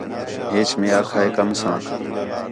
ہیچ میں آکھا ہے کَم کساں